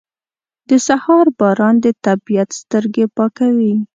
• د سهار باران د طبیعت سترګې پاکوي.